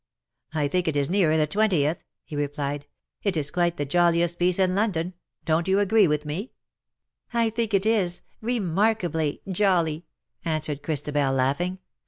" I think it is nearer the twentieth," he replied ;" it is quite the jolliest piece in London ! Don't you agree with me?" ooo. CUPID AND PSYCHE. " I think it is — remarkably — jolly!" answered Christabel,, laughing.